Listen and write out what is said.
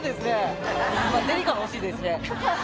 デリカ欲しいですね。